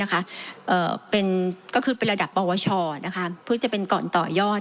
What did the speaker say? ก็คือเป็นระดับปวชเพื่อจะเป็นก่อนต่อยอด